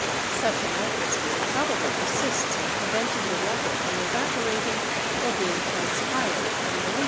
Such an atmosphere probably assists in preventing the water from evaporating or being transpired from the leaves.